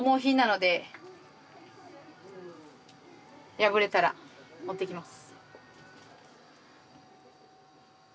破れたら持ってきます。